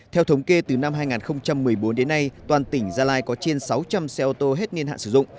theo thống kê từ năm hai nghìn một mươi bốn đến nay toàn tỉnh gia lai có trên sáu trăm linh xe ô tô hết niên hạn sử dụng